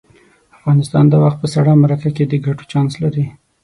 افغانستان دا وخت په سړه مرکه کې د ګټو چانس لري.